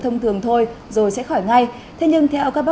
trong phòng điều hòa